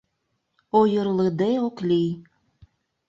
— Ойырлыде ок лий.